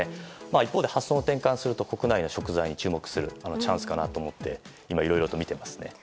一方で発想の転換をすると国内の食材に注目するチャンスかなと思って今、いろいろと見ていますね。